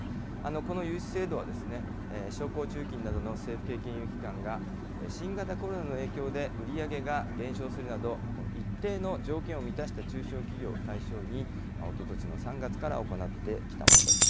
この融資制度は、商工中金などの政府系金融機関が、新型コロナの影響で売り上げが減少するなど、一定の条件を満たした中小企業を対象に、おととしの３月から行ってきたものです。